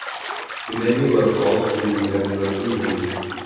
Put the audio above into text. The Dandy Warhols T.V." dan "Nothin' to Do ".